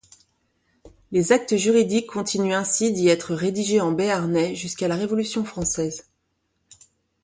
Les actes juridiques continuent ainsi d'y être rédigés en béarnais jusqu'à la Révolution française.